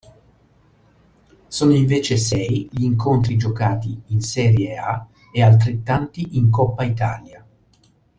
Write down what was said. Sono invece sei gli incontri giocati in Serie A e altrettanti in Coppa Italia.